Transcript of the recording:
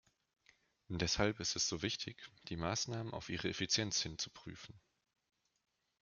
Deshalb ist es so wichtig, die Maßnahmen auf ihre Effizienz hin zu prüfen.